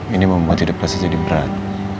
ini membuat hidup rasa jadi berat